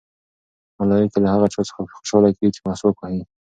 ملایکې له هغه چا څخه خوشحاله کېږي چې مسواک وهي.